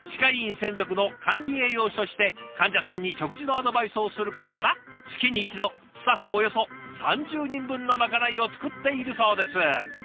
専属の管理栄養士として患者さんに食事のアドバイスをするかたわら月に一度スタッフおよそ３０人分のまかないを作っているそうです。